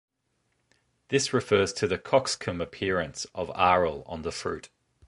This refers to the cockscomb appearance of aril on the fruit.